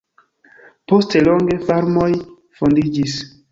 Poste longe farmoj fondiĝis.